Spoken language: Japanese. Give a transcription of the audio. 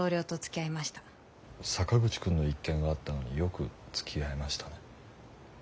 坂口くんの一件があったのによくつきあえましたね。